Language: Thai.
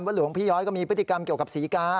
หลวงพี่ย้อยก็มีพฤติกรรมเกี่ยวกับศรีกา